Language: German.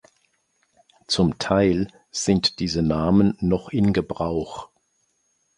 Zum Teil sind diese Namen noch in Gebrauch.